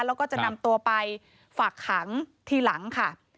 แล้วก็จะนำตัวไปฝากขังทีหลังค่ะ